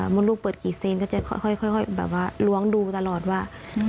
มนตร์ลูกเปิดกี่เซนก็จะค่อยล้วงดูตลอดว่า